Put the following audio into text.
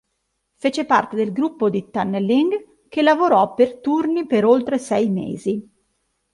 Fece parte del gruppo di "tunneling" che lavorò per turni per oltre sei mesi.